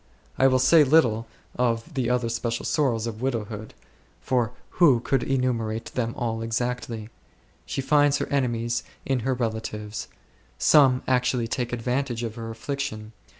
I will say little of the other special! sorrows of widowhood ; for who could enumer ate them all exactly ? She finds her enemies, in her relatives. Some actually take advantage of her affliction.